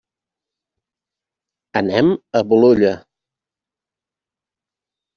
Anem a Bolulla.